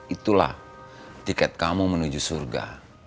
itulah tiket kamu menuju surga